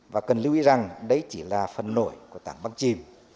và cần lưu ý rằng đấy chỉ là phần nổi của tảng văn chim